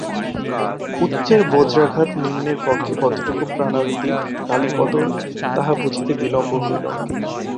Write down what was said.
উচ্চের বজ্রাঘাত নিম্নের পক্ষে কতদূর প্রাণান্তিক কালীপদর তাহা বুঝিতে বিলম্ব হইল না।